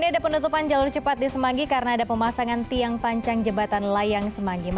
jalur jalur cepat di semanggi